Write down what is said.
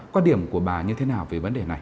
quan điểm của bà như thế nào về vấn đề này